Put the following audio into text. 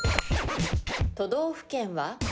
都道府県は？